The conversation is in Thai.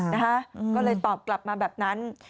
นะคะก็เลยตอบกลับมาแบบนั้น